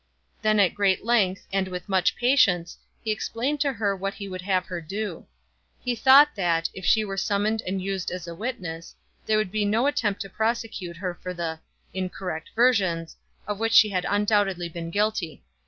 Then at great length, and with much patience, he explained to her what he would have her do. He thought that, if she were summoned and used as a witness, there would be no attempt to prosecute her for the incorrect versions of which she had undoubtedly been guilty.